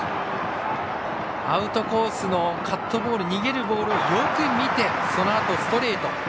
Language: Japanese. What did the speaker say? アウトコースのカットボール逃げるボールをよく見て、そのあとストレート。